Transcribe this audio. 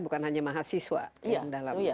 bukan hanya mahasiswa yang dalam